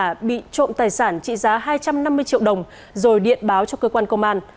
và bị trộm tài sản trị giá hai trăm năm mươi triệu đồng rồi điện báo cho cơ quan công an